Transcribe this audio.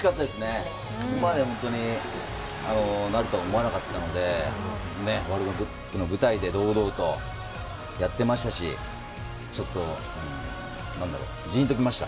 行くまで本当にこうなるとは思わなかったのでワールドカップの舞台で堂々とやってましたしちょっとジーンときました。